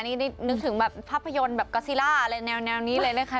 นึกถึงภาพยนตร์แบบไลก็อสิราแนวแนวนี้เลยนะคะ